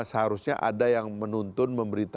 seharusnya ada yang menuntun memberi